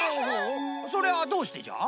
それはどうしてじゃ？